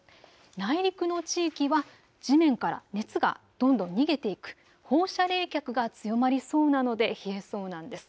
内陸の地域は地面から熱がどんどん逃げていく放射冷却が強まりそうなので冷えそうなんです。